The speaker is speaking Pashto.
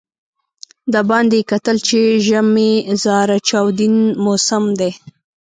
د باندې یې کتل چې ژمی زاره چاودون موسم دی.